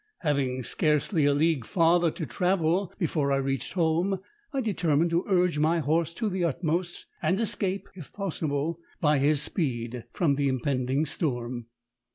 Having scarcely a league farther to travel before I reached home, I determined to urge my horse to the utmost, and escape, if possible, by his speed, from the impending storm.